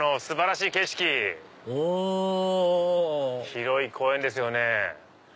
広い公園ですよね。